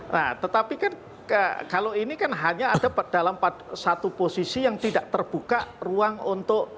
nah tetapi kan kalau ini kan hanya ada dalam satu posisi yang tidak terbuka ruang untuk